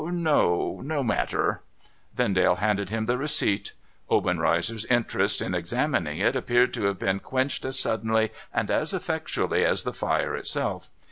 No matter,' Vendale handed him the receipt. Obenreizer's interest in exa mining it appeared to have been quenched as suddenly and as effectually as the fire itself.